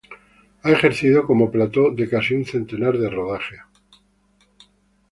Ha ejercido como plató de casi un centenar de rodajes.